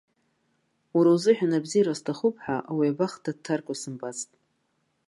Уара узыҳәан абзиара сҭахуп ҳәа ауаҩы абахҭа дҭаркуа сымбац.